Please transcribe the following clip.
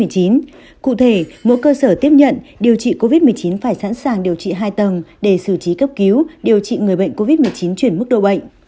cụ thể mỗi cơ sở tiếp nhận điều trị covid một mươi chín phải sẵn sàng điều trị hai tầng để xử trí cấp cứu điều trị người bệnh covid một mươi chín chuyển mức độ bệnh